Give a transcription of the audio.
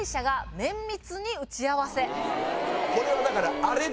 これはだから。